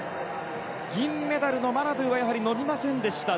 銀メダルのマナドゥはやはり伸びませんでした。